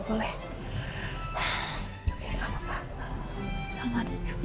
oke gak apa apa